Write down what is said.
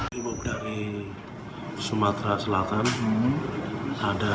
brimob dari sumatera selatan ada satu ratus empat puluh